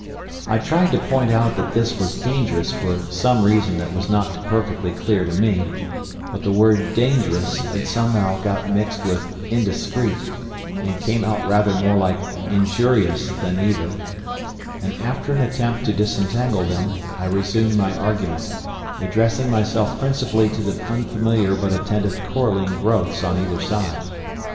I tried to point out that this was dangerous for some reason that was not perfectly clear to me, but the word "dangerous" had somehow got mixed with "indiscreet," and came out rather more like "injurious" than either; and after an attempt to disentangle them, I resumed my argument, addressing myself principally to the unfamiliar but attentive coralline growths on either side.